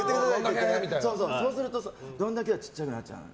そうすると、どんだけ！は小さくなっちゃうの。